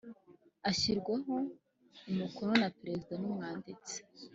ishyirwaho umukono na Perezida n umwanditsi